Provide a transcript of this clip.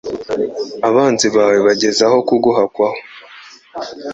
Abanzi bawe bageze aho kuguhakwaho